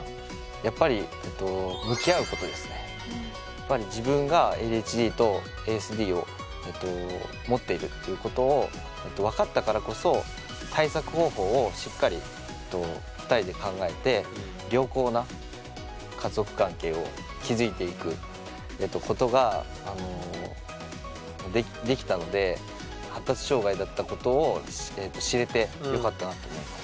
やっぱりやっぱり自分がＡＤＨＤとＡＳＤを持っているっていうことを分かったからこそ対策方法をしっかり２人で考えて良好な家族関係を築いていくことができたので発達障害だったことを知れてよかったなって思います。